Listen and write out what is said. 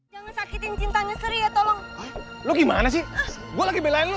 tunggu bentar ya pastiin dulu bentar